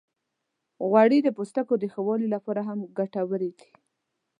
غوړې د پوستکي د ښه والي لپاره هم ګټورې دي.